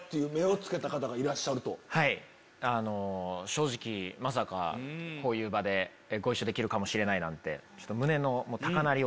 正直まさかこういう場でご一緒できるかもしれないなんて。